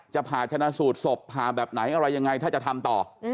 ผ่าชนะสูตรศพผ่าแบบไหนอะไรยังไงถ้าจะทำต่อ